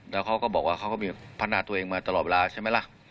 แล้วเขาก็บอกว่าเขาก็มีพัฒนาตัวเองมาตลอดเวลาใช่ไหมล่ะ